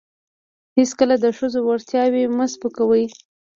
هیڅکله د ښځو وړتیاوې مه سپکوئ.